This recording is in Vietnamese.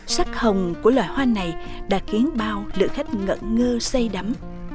sắc hồng của loài hoa này đã khiến bao lửa khách ngận ngơ say đắm